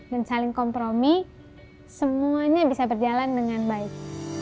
dan saling kompromi semuanya bisa berjalan dengan baik